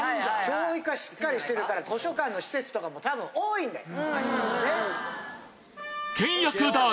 教育がしっかりしてるから図書館の施設とかも多分多いんだよ。